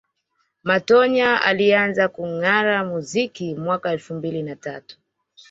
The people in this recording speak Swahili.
Matonya alianza kungara kimuziki mwaka elfu mbili na tatu